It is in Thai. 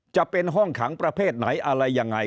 จะเป็นห้องขังประเภทไหนอะไรยังไง